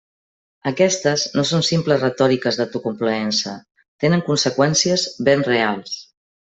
Aquestes no són simples retòriques d'autocomplaença: tenen conseqüències ben reals.